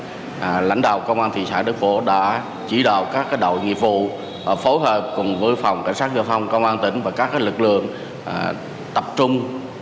trước tình hình đó lãnh đạo công an thị xã đức phổ đã chỉ đạo các đội nghiệp vụ phối hợp cùng với phòng cảnh sát giáo phòng công an tỉnh và các lực lượng tập trung